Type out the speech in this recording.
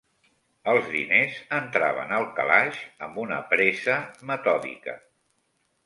Els diners entraven al calaix amb una pressa metòdica